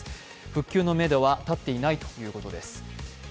復旧のめどは立っていないということです。